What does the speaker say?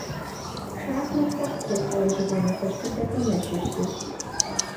Шахматхэр спорт лӏэужьыгъуэ нэхъыжь дыдэхэм ящыщ зыщ.